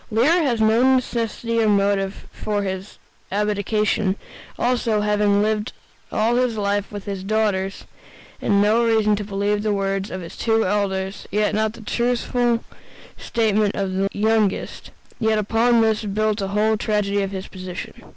Lear has no necessity or motive for his abdication; also, having lived all his life with his daughters, has no reason to believe the words of the two elders and not the truthful statement of the youngest; yet upon this is built the whole tragedy of his position.